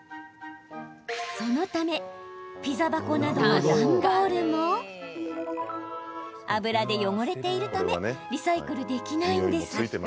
そのためピザ箱などの段ボールも油で汚れているためリサイクルできないんです。